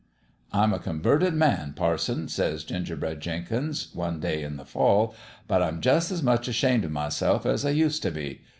"' I'm a converted man, parson,' says Ginger bread Jenkins, one day in the fall, ' but I'm jus' as much ashamed o' myself as I used t' be.